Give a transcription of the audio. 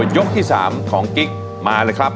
ยกที่๓ของกิ๊กมาเลยครับ